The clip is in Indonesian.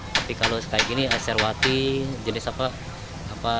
seperti ini aserwati jenis apa